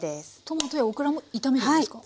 トマトやオクラも炒めるんですか？